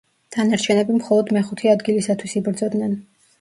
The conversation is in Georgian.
დანარჩენები მხოლოდ მეხუთე ადგილისათვის იბრძოდნენ.